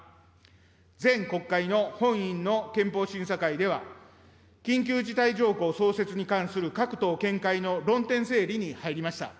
前国会の本院の憲法審査会では、緊急事態条項創設に関する各党見解の論点整理に入りました。